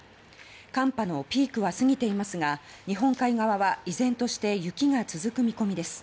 寒波のピークは過ぎていますが日本海側は依然として雪が続く見込みです。